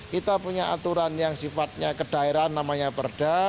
kita punya aturan yang sifatnya ke daerah namanya perda